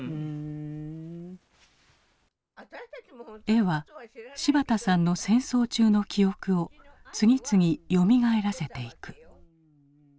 絵は柴田さんの戦争中の記憶を次々よみがえらせていく。